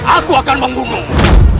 aku akan menggunungmu